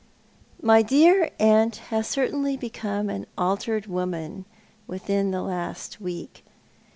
My dear aunt has certainly become an altered woman within the last week.